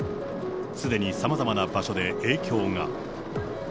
すでにさまざまな場所で影響が。